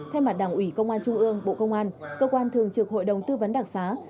thay mặt đảng ủy công an trung ương bộ công an cơ quan thường trực hội đồng tư vấn đặc xá